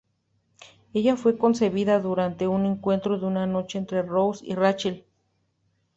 Ella fue concebida durante un encuentro de una noche entre Ross y Rachel.